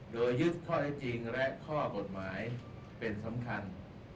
โดยยึดข้อเท็จจริงและข้อกฎหมายเป็นสำคัญ